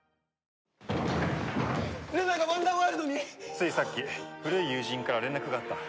ついさっき古い友人から連絡があった。